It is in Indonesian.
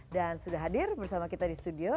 dan sudah hadir bersama kita di studio